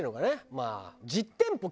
まあ。